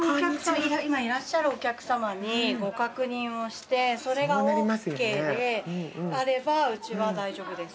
今いらっしゃるお客さまにご確認をしてそれがＯＫであればうちは大丈夫です。